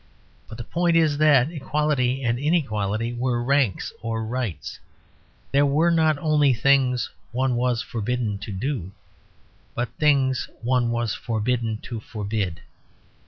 But the point is that equality and inequality were ranks or rights. There were not only things one was forbidden to do; but things one was forbidden to forbid.